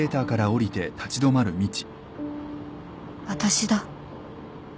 私だ